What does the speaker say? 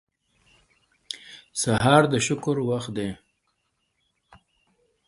سهار د شکر وخت دی.